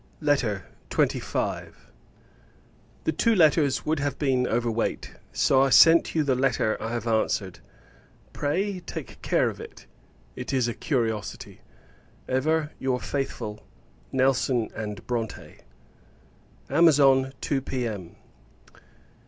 LETTER XXV. The two letters would have been over weight, so I send you the letter I have answered. Pray, take care of it, it is a curiosity! Ever your faithful NELSON & BRONTE. Amazon, 2 P.M.